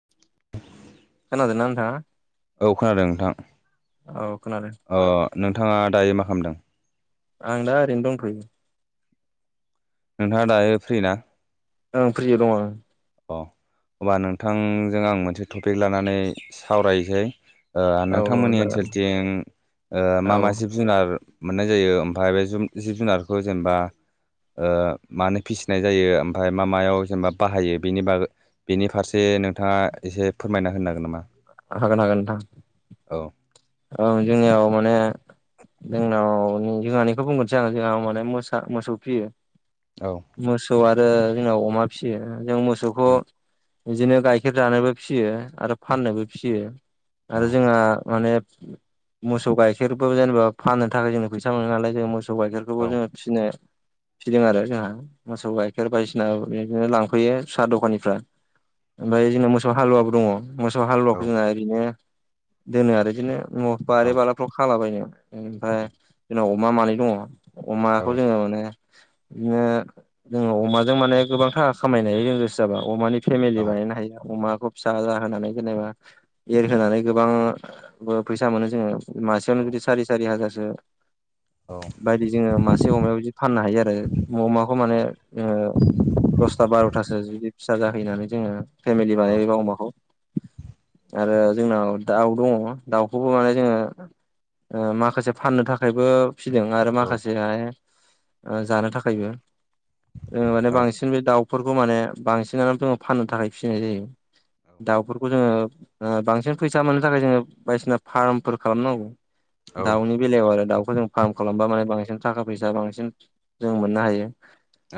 [inaudible] खोनादों ना नोंथाङा? औ खोनादों नोंथां औ खोनादों अ नोंथाङा दायो मा खालामदों? आं दा ओरैनो दंथ'यो। नोंथाङा दायो फ्रि ना? ओं फ्रियो दं आं अ होनब्ला नोंथांजों आं मोनसे टपिक लानानै सावरायसै औ औ नोंथांमोननि जागोन ओनसोलथिं औ मा मा जिब जुनार मोननाय जायो ओमफ्राय बे जिब जुनारखौ जेनेबा मानो फिसिनाय जायो ओमफ्राय मा मायाव जेनेबा बाहायो? बेनि बागै बेनि फारसे नोंथाङा एसे फोरमायना होनो हागोन नामा? हागोन हागोन नोंथां औ औ जोंनियाव माने जोंनाव जोंहानिखौ बुंगोनसै आङो जोंहाव माने मोसा मोसौ फियो। औ मोसौ आरो जोंनाव अमा फियो जों मोसौखौ उम बिदिनो गाइखेर जानोबो फिसियो आरो फाननोबो फियो औ आरो जोंहा माने मोसौ गाइखेरबो जेनेबा फाननो थाखाय जोंङ फैसा मोनो नालाय जों मोसौ मोसौ औ गाइखेरखौबो जोङो फिसिनो फिदों आरो जोंहा मोसौ गाइखेर बायदिसिना बिदिनो लांफैयो साहा दखानिफ्रा ओमफ्राय जोंना मोसौ हालुवाबो दङ। मोसौ औ हालुवाखौ जोंना ओरैनो दोनो आरो बिदिनो औ बारि बालाफ्राव खालाबायनो ओमफ्राय उम जोंनाव अमा मानै दङ औ अमाखौ जोङो माने बिदिनो जोङो अमाजों माने गोबां थाखा खामायनो हायो जों गोसो जाबा अमानि औ फेमिलि बानायनो हायो अमाखौ फिसा जाहोनानै जेनेबा एरहोनानै गोबां फैसा मोनो जोङो मासेयावनो जुदि सारि सारि हाजारसो बायदि जोङो मासे अमायाव बिदि फाननो हायो आरो अमाखौ माने दसथा बार'थासो जुदि फिसा जाहैनानै जोङो फेमिलि औ बानायबाय बा अमाखौ आरो जोंनाव दाउ दङ दाउखौबो माने जोङो माखासे फाननो थाखायबो फिसिदों आरो औ माखासे ओ जानो थाखायबो। ओ औ माने बांसिन बे दाउफोरखौ माने बांसिनानो जों फाननो थाखाय फिसिनाय जायो। दाउफोरखौ जोङो ओ बांसिन फैसा मोननो थाखाय जोङो बायदिसिना फार्मफोर खालामनांगौ औ दाउनि बेलायाव आरो दाउखौ जों फार्म उम खालामबा माने बांसिन थाखा फैसा बांसिन जों मोननो हायो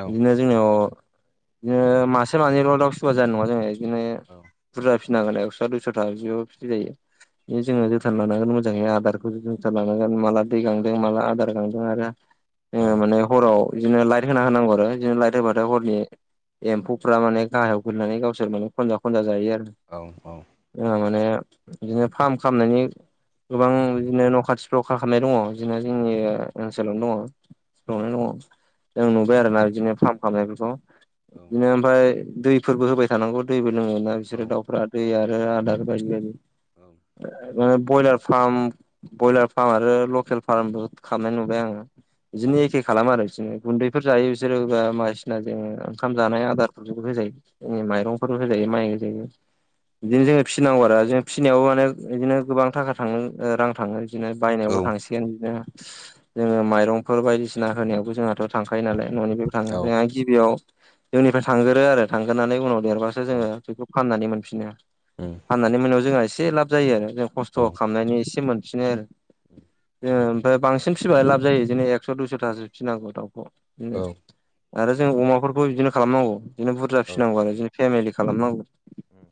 औ जोङो अ दिनो मासे मानैल' दाउ फिसिबा जानाय नङा जोङो बिदिनो औ बुरजा फि फिनांगोन एक्स' दुइस'था बिदिबो फिजायो । बे जोङो जोथोन लानांगोन मोजाङै आदारखौ जोथोन लानांगोन माला दै गांदों माला आदार गांदों आरो ओ औ माने हराव बिदिनो लाइट होना होनांगौ आरो बिदिनो लाइट होबाथाय हरनि एम्फौफ्रा माने गाहायाव गोलैनानै गावसोर माने खनजा खनजा जायो औ आ‌ ओ माने बिदिनो फार्म खालामनायनि गोबां बिदिनो न' खाथिफ्राव खा-खामनाय दङ'। जोंनि ओनसोलावनो उम दङ' [unintelligible] जों नुबाय आरोना बिदिनो फार्म खालामनायफोरखौ औ उम बिदिनो ओमफ्राय दैफोरबो होबाय थानांगौ दै लोङोना बिसोरो दाउफ्रा दै आरो आदार बायदि बायदि। [unintelligible] बयलार फार्म बयलार फार्म आरो लकेल फार्म बो खालामनाय नुबाय आङो। औ बिदिनो एखे खालाम आरो गुन्दैफोर जायो बिसोरो ओ मायदिसिना जोङो ओंखाम जानाय आदारफोरखौबो होजायो। जोंनि माइरंफोर होजायो माइ होजायो बिदिनो जोङो फिसिनांगौ आरो जों फिसिनायावबो माने बिदिनो गोबां थाखा थाङो रां थाङो बिदिनो बायनायावबो थांसिगोन बिदिनो ओ माइरंफोर बायदिसिना होनायावबो जोंहाथ' थांखायो नालाय न'नि बे थाङो औ उम औ उम औ जोंहा गिबियाव जोंनिफ्राय थांगोरो आरो थांगोरोननानै उनाव देरबासो औ जोङो बेखौ फाननानै मोनफिनो। उम औ उम औ उम औ उम औ उम औ फाननानै मोनायाव जोंहा एसे लाब जायो आरो जों खस्थ' खालामनायनि एसे मोन फिनो आरो ओ ओमफाय बांसिन फिसिबाथाय लाब जायो जिनो एकस' दुइस'थासो फिसिनांगौ दाउखौ। आरो जों अमाफोरखौ बिदिनो खालामनांगौ बिदिनो बुरजा फिसिनांगौ आरो। फेमिलि खालामनांगौ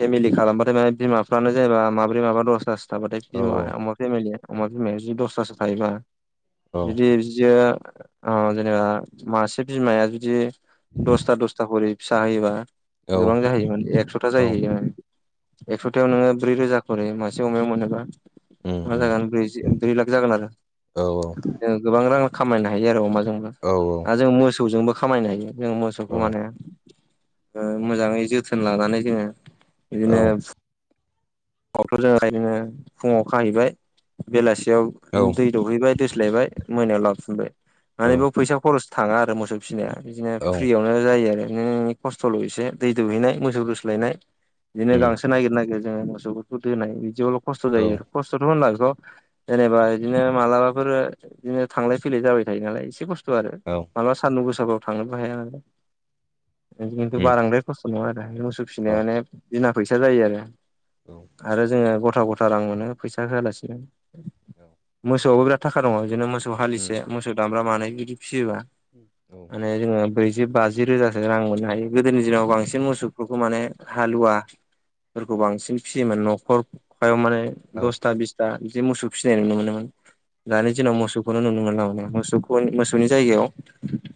फेमिलि खालामबाथाय माने बिमाफ्रानो जेनबा माब्रै माबा दसथा। जाबाथाय बिमा अमा फेमिलि अमा भिमाया जुदि दसथासो‌ थायोबा बिदि बिदियो ओ जेनेबा मासे बिमाया जुदि दसथा दसथा खरि फिसा होयोबा गोबां जाहैयोमोन एकस'था जाहैयो। एकस'थायाव नोङो ब्रै रोजा खरि मासे अमायाव मोनोबा। मा जागोन ब्रैजि ब्रै लाख जागोन आरो गोबां रां खामायनो हायो आरो अमाजोंबो आरो जों मोसौजोंबो खामायनो हायो जों मोसौखौ माने ओ मोजाङै जोथोन लानानै जोङो बिदिनो [unintelligible] फुङाव खाहैबाय बेलास याव दै दौहैबाय दोस्लायबाय मोनायाव लाबोफिनबाय माने बेयाव फैसा खरस थाङा आरो मोसौ फिसिनाया बिदिनो फ्रियावनो जायो आरो। दिनो खस्थ'ल' इसे दै दौहैनाय मोसौ दोस्लायनाय बिदिनो गांसो नागिर नागिर जोङो मोसौफोरखौ दोनाय बिदिआवल' खस्थ' जायो आरो खस्थ'थ' होनला [unintelligible] जेनेबा बिदिनो मालाबाफोर बिदिनो थांलाय फैलाय जाबाय थायो नालाय एसे खस थ' आरो मालाबा सान्दुं गोसाबाबो थांनोबो हाया बिदिनो बारांद्राय खस नङा आरो मोसौ फिसिनाय माने बिना फैसा जायो आरो आरो जोङो गथ था गथा रां मोनो फैसा होआलासिनो मोसौआबो बिराद थाखा दङ' बिदिनो मोसौ सौ हालिसे मोसौ दामब्रा मानै बिदि फिसियोबा माने जोङो। ब्रैजि बाजि रोजासो रां मोननो हायो गोदोनि दिनाव बांसिन मोसौफोरखौ माने हालुवा फोरखौ बांसिन फिसियोमोन न'खरफायाव माने दसथा बिसथा बिदि मोसौ फिसिनाय नुनो मोनोमोन दानि दिनाव मोसौ खौनो नुनो मोनला माने मोसौखौहाय मोसौनि जायगायाव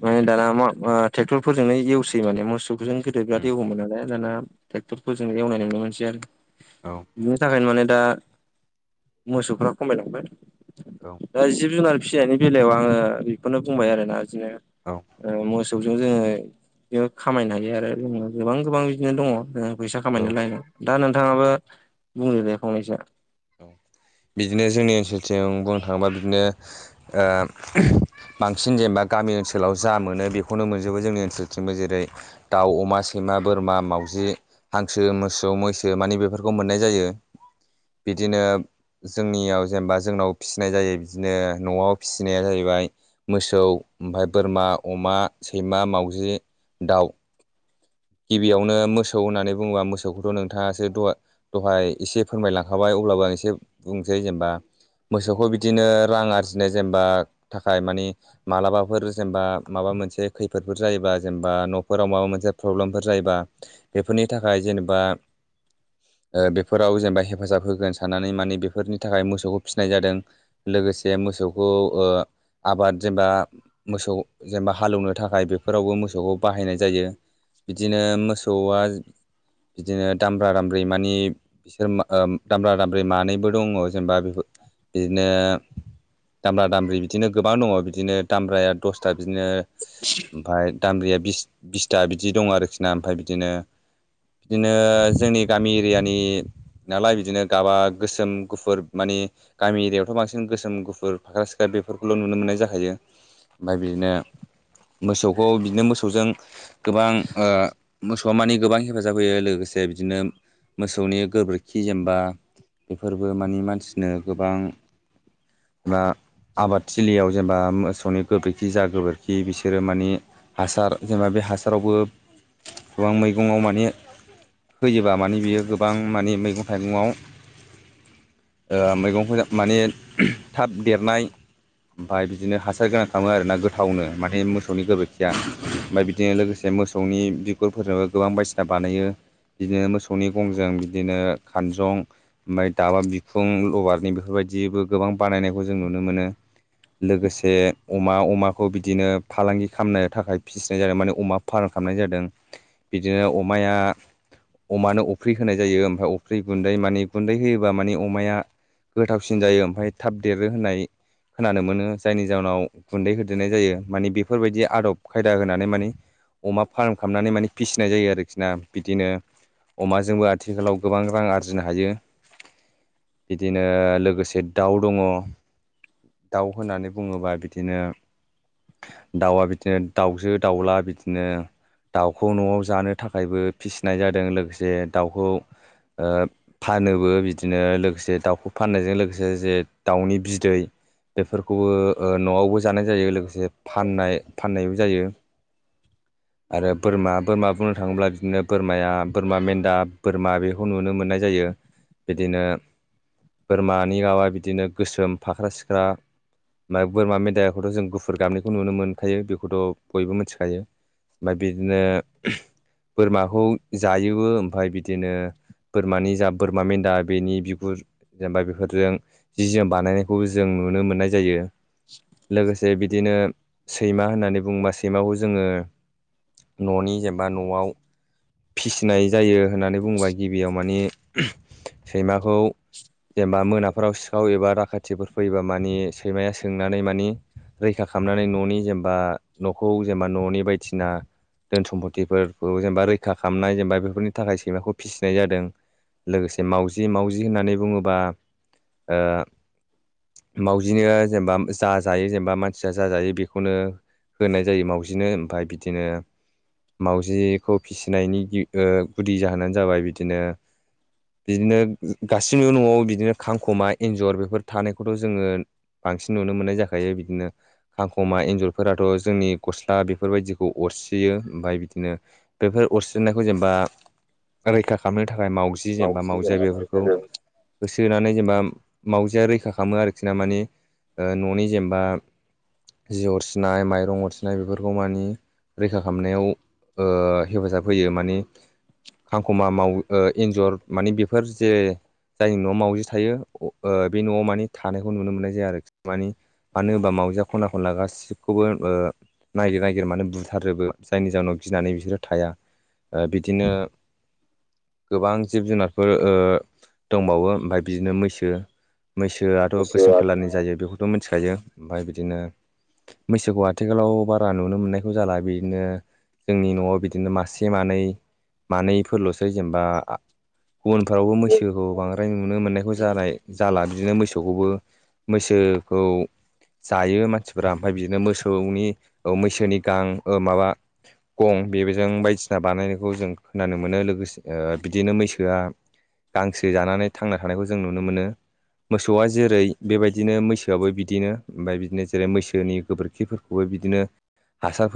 ओ दाना मा थेक्थर फोरजोंनो एवस सै माने मोसौखोजों गोदो बिराद एवोमोन नालाय दाना टेक्टरफोर जों एवनाय नुनो मोनसै आरो बिनि थाखायनो माने दा मोसौफ्रा खमायलांबाय दा जिब जुनार फिसिनायनि बेलायाव आङो बेखौनो बुंबाय आरोना। बिदिनो ओ मोस मोसौजों जोङो खामायनो हायो आरो जोङो गोबां गोबां बिदिनो दङ। फैसा खामायनो औ लायेनाव दा नोंथाङाबो बुंदो दे फंनैसो। बिदिनो जोंनि ओनसोलथिं बुंनो थाङोबा बिदिनो ओ बांसिन जेनेबा गामि ओनसोलाव जा मोनो बेखौनो मोनजोबो जोंनि ओनसोलथिंबो जेरै दाउ अमा सैमा बोरमा मावजि हांसो मोसौ मैसो मानि बेफोरखौ मोननाय जायो। बिदिनो जोंनियाव जेनेबा जोंनाव फिसिनाय जायो बिदिनो न'आव फिसिनाया जाहैबाय मोसौ। ओमफ्राय बोरमा अमा सैमा मावजि दाउ। गिबियावनो मोसौ होननानै बुङोबा मोसौखौथ' नोंथाङासो दहा दहाय एसे फोरमायलां खाबाय अब्लाबो आं एसे बुंनोसै जेनेबा मोसौखौ बिदिनो रां आरजिनो जेनेबा थाखाय मानि मालाबाफोर जेनेबा माबा माबा मोनसे खैफोदफोर जायोबा जेनेबा न'फोराव माबा मोनसे प्रब्लेमफोर जायोबा बेफोरनि थाखाय जेनेबा ओ बेफोराव जेनेबा हेफ हेफाजाब होगोन साननानै माने बेफोरनि थाखाय मोसौखौ फिसिनाय जादों लोगोसे मोसौखौ ओ आबाद जेनेबा मोसौ जेनेबा हालौनो थाखाय बेफोरावबो मोसौखौ बाहायनाय जायो। बिदिनो मोसौआ बिदिनो दामब्रा दामब्रि मानि बिसोर मा ओ दामब्रा दामब्रि मानैबो दङ जेनेबा बिदिनो दामब्रा दामब्रि बिदिनो गोबां दङ बिदिनो दामब्राया दसथा बिदिनो ओमफ्राय दामब्रिया बिस बिसथा बिदि दं आरोखि ना ओमफ्राय बिदिनो बिदिनो जोंनि गामि एरियानि नालाय बिदिनो गाबा गोसोम गुफुर माने गामि एरियायावथ' बांसिन गोसोम गुफुर फाख्रा सिख्रा बेफोरखौल' नुनो मोननाय जाखायो ओमफ्राय बिदिनो मोसौखौ बिदिनो मोसौजों गोबां मोसौआ मानि गोबां हेफाजाब होयो लोगोसे बिदिनो मोसौनि गोबोर खि जेनेबा बेफोरबो मानि मानसिनो गोबां मा आबादथिलियाव जेनेबा मोसौनि गोबोरखि जा गोबोरखि बिसोरो मानि हासार जेनेबा बे हासारावबो गोबां मैगङाव माने होयोबा माने बियो गोबां मानि मैगं थाइगङाव ओ मैगंखौ माने थाब देरनाय ओमफ्राय बिदिनो हासार गोनां खालामो आरोना गोथावनो माने मोसौनि गोबोरखिया ओमफ्राय बिदिनो लोगोसे मोसौनि बिगुरफोरनोबो गोबां बायदिसिना बानायो बिदिनो मोसौनि गंजों बिदिनो खानजं ओमफ्राय दाबा बिखुं लबारनि बेफोरबायदिबो गोबां बानायनायखौ जों नुनो मोनो। लोगोसे अमा अमाखौ बिदिनो फालांगि खालामनो थाखाय फिसिनाय जादों माने अमा फाराम। खालामनाय जादों बिदिनो अमाया अमानो अफ्रि होनाय जायो ओमफ्राय अफ्रि गुन्दै मानि गुन्दै होयोबा मानि अमाया गोथावसिन जायो ओमफ्राय थाब देरो होननाय खोनानो मोनो जायनि जाहोनाव गुन्दै होदेरनाय जायो मानि बेफोरबायदि आदब खायदा होनानै मानि अमा फार्म खालामनानै माने फिसिनाय जायो आरोखि ना बिदिनो अमाजोंबो आथिखालाव गोबां रां आरजिनो हायो। बिदिनो लोगोसे दाउ दङ। दाउ होननानै बुङोबा बिदिनो दाउआ बिदिनो दाउजो दाउला बिदिनो दाउखौ न'आव जानो थाखायबो फिसिनाय जादों लोगोसे दाउखौ ओ फानोबो बिदिनो लोगोसे दाउखौ फाननायजों लोगोसे जे दाउनि बिदै बेफोरखौबो ओ न'आवबो जानाय जायो लोगोसे फाननाय फाननायबो जायो। आरो बोरमा बोरमा बुंनो थाङोब्ला बिदिनो बोरमाया बोरमा मेन्दा। बोरमा बेखौ नुनो मोननाय जायो बिदिनो बोरमानि गाबा बिदिनो गोसोम फाख्रा सिख्रा ओमफाय बोरमा मेदाइखौथ जों गुफुर गाबनिखौ नुनो मोनखायो बेखौथ बयबो मिथिखायो। ओमफाय बिदिनो बोरमाखौ जायोबो ओमफाय बिदिनो बोरमानि जा बोरमा मेन्दा बेनि बिगुर जेनेबा बेफोरजों जि जोम बानायनायखौबो जों नुनो मोननाय जायो लोगोसे जे बिदिनो सैमा होननानै बुङोबा सैमाखौ जोङो। ननि जेनबा नआव फिसिनाय जायो होननानै बुंबाय गिबियाव माने सैमाखौ जेनबा मोनाफोराव सो खाव एबा दाखाथिफोर फैयोबा माने सैमाया सोंनानै माने रैखा खालामनानै ननि जेनबा नखौ जेनबा ननि बायदिसिना। धोन सम्पतिफोरखौ जेनेबा रैखा खालामनाय जेनेबा बेफोरनि थाखाय सैमाखौ फिसिनाय जादों लोगोसे मावजि मावजि होननानै बुङोबा ओ मावजिनो जेनेबा जा जायो जेनेबा मानसिया जा जायो बेखौनो होनाय जायो मावाजिनो ओमफाय बिदिनो माउजिखौ फिसिनायनि गिबि ओ गुदि जाहोनानो जाबाय बिदिनो बिदिनो गासिबो न'आव बिदिनो खांखमा एन्जर बेफोर थानायखौथ जोङो। बांसिन नुनो मोननाय जाखायो बिदिनो खांखमा एन्जरफोराथ जोंनि गस्ला बेफोर बायदिखौ अर सियो ओमफाय बिदिनो बेफोर अरसिनायखौ जेनेबा रैखा खालामनो थाखाय मावजि जेनेबा मावजिया बेफोरखौ गोसो होनानै जेनेबा मावजिया रैखा खालामो आरोखि ना मानि ओ ननि जेनेबा जि अरसिनाय माइरं अरसिनाय बेफोरखौ मानि रैखा खालामनायाव ओ हेफाजाब होयो मानि खांखमा मावो ओ एन्जर मानि बेफोर जे जायनि नआव मावजि थायो ओ बे न'आव मानि थानायखौ नुनो मोननाय जाया आरोखि मानि मानो होनबा मावजिया खना खनला गासिखौबो ओ नागिर नागिर मानो बुथारजोबो जायनि जाहोनाव। गिनानै बिसोरो थाया ओ बिदिनो गोबां जिब जुनारफोर ओ दंबावो ओमफाय बिदिनो मैसो। मैसोआथ गोसोम मोसौआ खालारनि जायो बेखौथ मोनथिखायो ओमफाय बिदिनो मैसोखौ आथिखालाव बारा नुनो मोननायखौ जाला बिदिनो जोंनि नआव बिदिनो मासे मानै। मानैफोरलसै जेनबा गुबुनफोरावबो मैसो सोखौ बांद्राय नुनो मोननायखौ जानाय जाला बिदिनो मोसौखौबो मैसोखौ। जायो मानसिफोरा ओमफाय बिदिनो मोसौनि औ मैसोनि गां ओ माबा गं बेबेजों बायदिसिना बानायनायखौ जों खोनानो मोनो लोगोसे ओ बिदिनो मैसोआ गांसो जानानै थांना थानायखौ जों नुनो मोनो। मोसौआ जेरै बेबायदिनो मैसोआबो बिदिनो ओमफाय बिदिनो जेरै मैसोनि गोबोरखि फोरखौबो। बिदिनो हासारफोर।